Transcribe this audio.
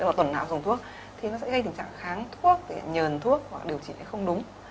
nên là tuần nào dùng thuốc thì nó sẽ gây tình trạng kháng thuốc nhờn thuốc điều trị không đúng